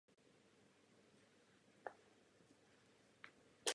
Sem za ním přicházeli jeho návštěvníci a korespondence z celého světa.